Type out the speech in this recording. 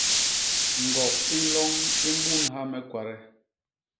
Ñgok i nloñ i mbunha me kwade.